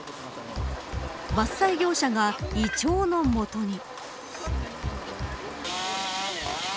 伐採業者がイチョウのもとに。